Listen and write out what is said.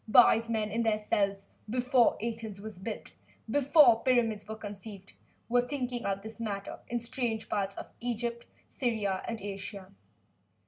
Wise men in their cells, before Athens was built, before the Pyramids were conceived, were thinking out this matter in strange parts of Egypt, in forgotten parts of Syria and Asia.